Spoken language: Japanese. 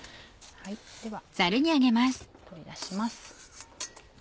では取り出します。